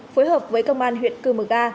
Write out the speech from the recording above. phối hợp với công an huyện cư mở ga